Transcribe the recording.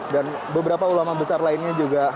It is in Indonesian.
dan beberapa ulama besar lainnya juga